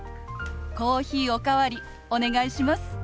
コーヒーお代わりお願いします。